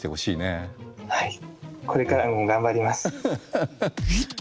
はいこれからも頑張ります。